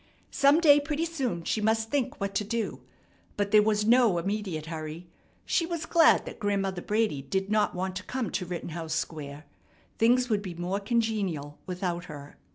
Some day pretty soon she must think what to do, but there was no immediate hurry. She was glad that Grandmother Brady did not want to come to Rittenhouse Square. Things would be more congenial without her.